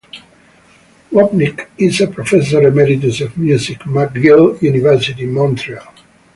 Wapnick is a professor emeritus of music, McGill University, Montreal.